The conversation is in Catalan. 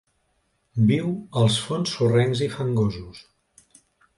Viu als fons sorrencs i fangosos.